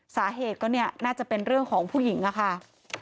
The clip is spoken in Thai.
สาเหตุก็เนี่ยน่าจะเป็นเรื่องของผู้หญิงอะค่ะ